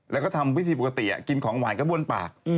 แล้วก็ทำวิธีปกติกินของหวานก็บ้วนปาก